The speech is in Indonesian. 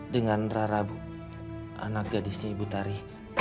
dengan rara bu anak gadisnya ibu tari